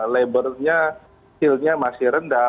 labelnya skillnya masih rendah